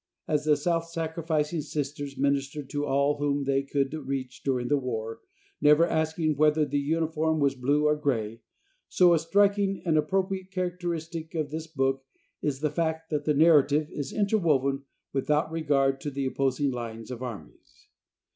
As the self sacrificing Sisters ministered to all whom they could reach during the war, never asking whether the uniform was blue or gray, so a striking and appropriate characteristic of this book is the fact that the narrative is interwoven without regard to the opposing lines of armies.